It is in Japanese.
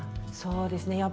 そうですね。